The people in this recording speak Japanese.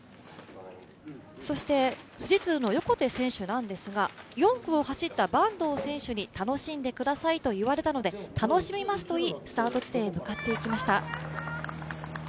富士通の横手選手ですが、４区を走った坂東選手に楽しんでくださいと言われたので楽しみますと言いスタート地点へ向かっていきました。